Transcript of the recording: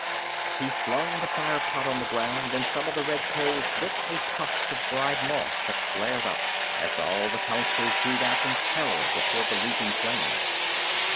He flung the fire pot on the ground, and some of the red coals lit a tuft of dried moss that flared up, as all the Council drew back in terror before the leaping flames.